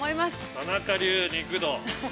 ◆田中流肉道。